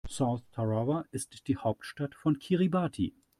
South Tarawa ist die Hauptstadt von Kiribati.